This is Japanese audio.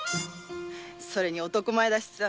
それに男前だしさ。